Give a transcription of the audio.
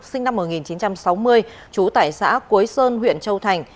sinh năm một nghìn chín trăm sáu mươi chú tại xã cuối sơn huyện châu thành